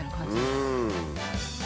うん！